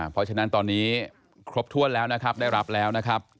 เพราะฉะนั้นตอนนี้ครบถ้วนแล้วนะครับได้รับแล้วนะครับ